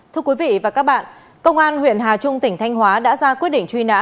thưa quý vị và các bạn công an huyện hà trung tỉnh thanh hóa đã ra quyết định truy nã